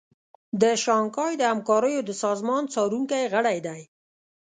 د شانګهای د همکاریو د سازمان څارونکی غړی دی